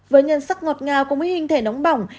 với nhân sắc ngọt ngào cùng với hình thể nóng bỏng